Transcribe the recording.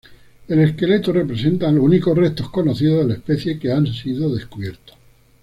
El esqueleto representa los únicos restos conocidos de la especie que han sido descubiertos.